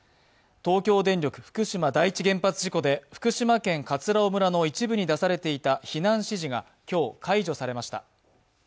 東京電力福島第一原発事故で福島県葛尾村の一部に出されていた避難指示が今日、解除されました。